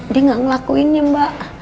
dia gak ngelakuinnya mbak